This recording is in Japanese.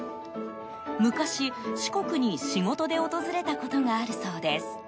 昔、四国に仕事で訪れたことがあるそうです。